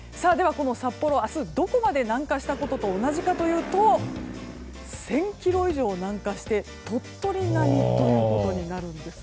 この札幌、明日どこまで南下したのと同じかというと１０００ｋｍ以上南下して鳥取並みということになるんです。